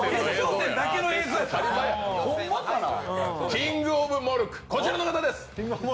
キングオブモルック、こちらの方です。